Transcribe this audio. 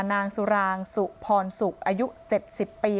นางซุรางสุปรรณสุกอายุ๗๐ปี